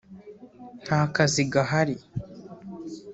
nta kazi gahari